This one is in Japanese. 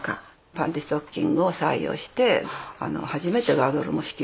パンティストッキングを採用して初めてガードルも支給したんですよね。